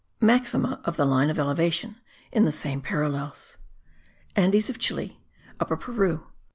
MAXIMA OF THE LINE OF ELEVATION IN THE SAME PARALLELS. Andes of Chile, Upper Peru.